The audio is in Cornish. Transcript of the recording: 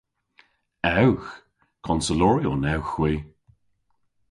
Ewgh. Konseloryon ewgh hwi.